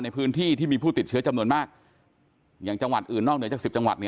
ในพื้นที่ที่มีผู้ติดเชื้อจำนวนมากอย่างจังหวัดอื่นนอกเหนือจาก๑๐จังหวัด